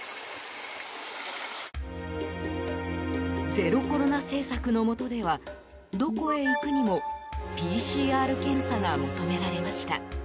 ゼロコロナ政策のもとではどこへ行くにもＰＣＲ検査が求められました。